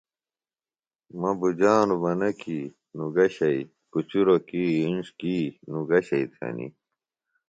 مہ بُجانوۡ بہ نہ کیۡ نوۡ گہ شئیۡ، کُچُروۡ کیۡ، اِنڇ کیۡ، نوۡ گہ شئیۡ تھنیۡ